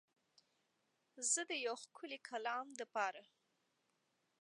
زه د یو ښکلی کلام دپاره